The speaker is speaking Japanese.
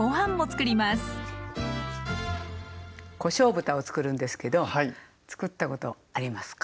こしょう豚をつくるんですけどつくったことありますか。